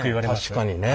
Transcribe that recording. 確かにね。